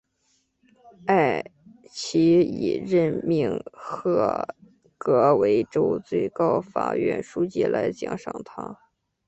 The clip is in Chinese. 埃奇以任命赫格为州最高法院书记来奖赏他。